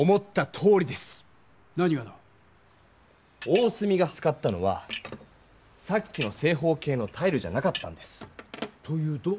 大角が使ったのはさっきの正方形のタイルじゃなかったんです！というと？